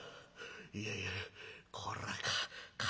いやいやこらかか